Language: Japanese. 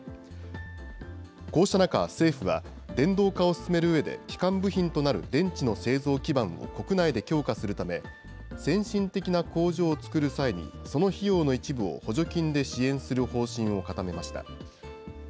こうした中、政府は電動化を進めるうえで、基幹部品となる電池の製造基盤を国内で強化するため、先進的な工場を作る際に、その費用の一部を補助金で支援する方針を固めました。